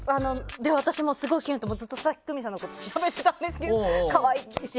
私、すごい気になってずっと佐々木久美さんのこと調べてたんですけど可愛いし。